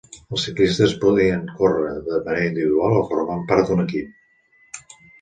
Els ciclistes podien córrer de manera individual o formant part d'un equip.